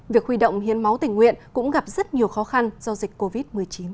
việc huy động hiến máu tình nguyện cũng gặp rất nhiều khó khăn do dịch covid một mươi chín